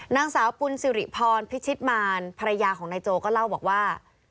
นางสาวปุญสิริพรพิชิตมารภรรยาของนายโจก็เล่าบอกว่า